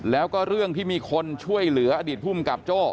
แล้วก็เรื่องที่มีคนช่วยเหลืออดีตภูมิกับโจ้